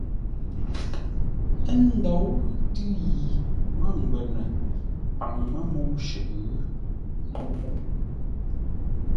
Ə́ ndǒu tʉ̌ yi mə́ngwə́nə paŋ mə́ mə́u shʉʼʉ ńkóʼ mə́u.